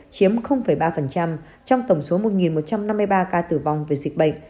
chiếm ba trong tổng số một một trăm năm mươi ba ca tử vong về dịch bệnh